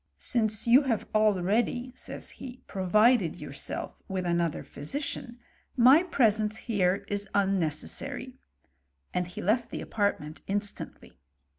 " Since you have already," says he, *' provided yourself with another physician, my presence here is un necessary," and he left the apartment instantly.